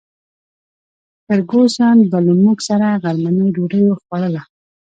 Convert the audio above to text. فرګوسن به له موږ سره غرمنۍ ډوډۍ خوړله.